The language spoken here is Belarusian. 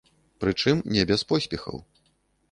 Прычым не без поспехаў.